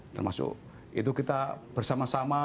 termasuk itu kita bersama sama